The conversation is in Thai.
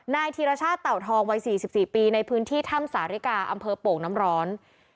ธีรชาติเต่าทองวัย๔๔ปีในพื้นที่ถ้ำสาริกาอำเภอโป่งน้ำร้อน